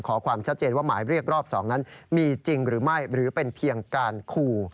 ความชัดเจนว่าหมายเรียกรอบ๒นั้นมีจริงหรือไม่หรือเป็นเพียงการขู่